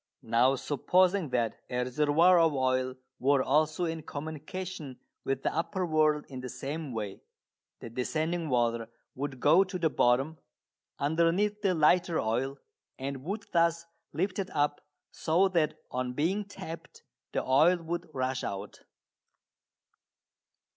Now supposing that a reservoir of oil were also in communication with the upper world in the same way, the descending water would go to the bottom, underneath the lighter oil, and would thus lift it up, so that on being tapped the oil would rush out.